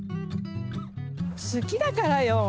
すきだからよ。